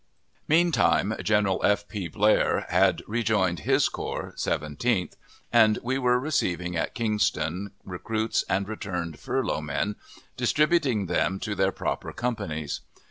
Meantime, General F. P. Blair had rejoined his corps (Seventeenth), and we were receiving at Kingston recruits and returned furlough men, distributing them to their proper companies.